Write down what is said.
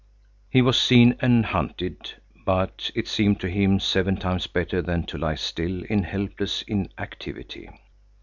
He was seen and hunted, but it seemed to him seven times better than to lie still in helpless inactivity.